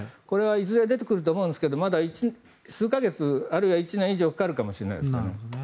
これはいずれ出てくると思うんですがまだ数か月あるいは１年以上かかるかもしれないです。